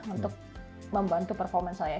untuk membantu performance saya